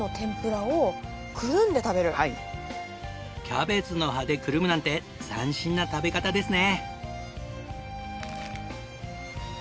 キャベツの葉でくるむなんて斬新な食べ方ですね。